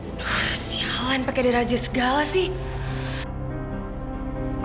aduh sialan pakai diraja segala sih